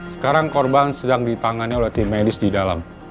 sekarang korban sedang ditangani oleh tim medis di dalam